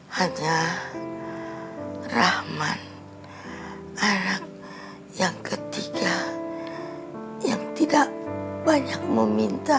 haja rahman anak yang ketiga yang tidak banyak meminta